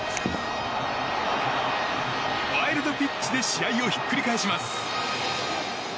ワイルドピッチで試合をひっくり返します。